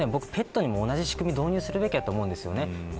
ペットにも同じ仕組みを導入するべきだと思います。